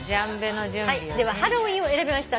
では「ハロウィン」を選びました